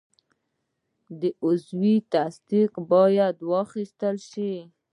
عضوي تصدیق باید واخیستل شي.